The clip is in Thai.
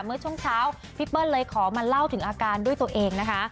เมื่อช่วงเช้าพี่เปิ้ลเลยขอมาเล่าถึงอาการด้วยตัวเองนะคะ